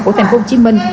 của thành phố hồ chí minh